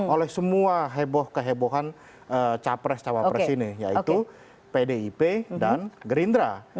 oleh semua heboh kehebohan capres cawapres ini yaitu pdip dan gerindra